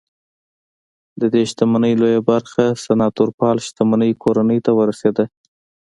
ددې شتمنۍ لویه برخه سناتوریال شتمنۍ کورنۍ ته ورسېده